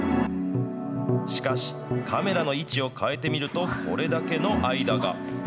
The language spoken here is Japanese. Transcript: しかし、カメラの位置を変えてみるとこれだけの間が。